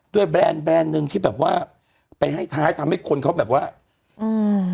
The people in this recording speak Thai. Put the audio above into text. แบรนด์แบรนด์หนึ่งที่แบบว่าไปให้ท้ายทำให้คนเขาแบบว่าอืม